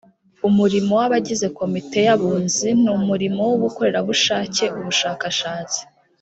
umurimo w abagize komite y abunzi ni umurimo w ubukorerabushake ubushakashatsi